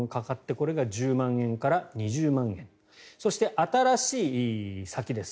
これが１０万円から２０万円そして、新しい先です。